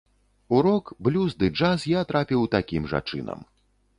У рок, блюз ды джаз я трапіў такім жа чынам.